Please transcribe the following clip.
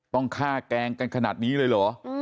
ต้องฆ่าแกล้งกันขนาดนี้เลยเหรอ